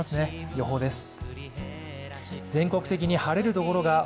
予報です。